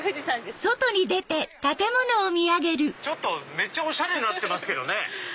めっちゃおしゃれになってますけどね。